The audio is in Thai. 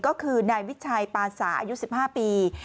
ก็คือนายวิชัยปานสาอายุ๑๕ปี